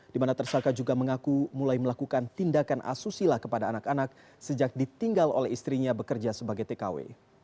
di mana tersangka juga mengaku mulai melakukan tindakan asusila kepada anak anak sejak ditinggal oleh istrinya bekerja sebagai tkw